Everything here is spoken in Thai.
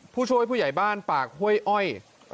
ผู้ช่วยผู้ใหญ่บ้านปากห้วยอ้อย